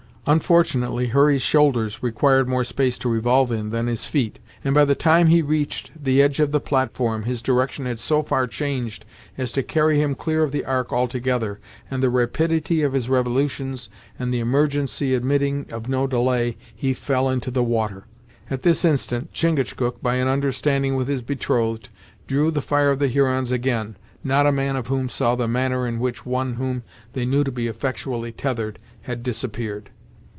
Unfortunately, Hurry's shoulders required more space to revolve in than his feet, and by the time he reached the edge of the platform his direction had so far changed as to carry him clear of the Ark altogether, and the rapidity of his revolutions and the emergency admitting of no delay, he fell into the water. At this instant, Chingachgook, by an understanding with his betrothed, drew the fire of the Hurons again, not a man of whom saw the manner in which one whom they knew to be effectually tethered, had disappeared.